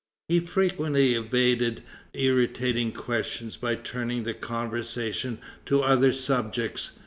He frequently evaded irritating questions by turning the conversation to other subjects.